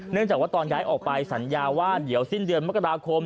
จากว่าตอนย้ายออกไปสัญญาว่าเดี๋ยวสิ้นเดือนมกราคม